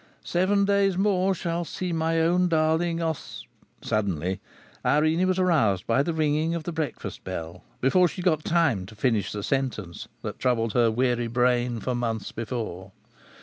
Seven days more shall see my own darling Os" Suddenly Irene was aroused by the ringing of the breakfast bell, before she got time to finish the sentence that troubled her weary brain for months before.